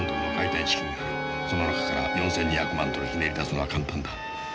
その中から４，２００万ドルひねり出すのは簡単だ。